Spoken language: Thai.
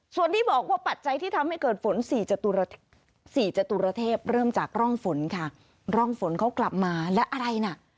ส่วนที่บอกว่าปัจจัยที่ทำให้เกิดฝน๔จตุรเทพเริ่มจากร่องฝนค่ะร่องฝนเขากลับมาและอะไรน่ะ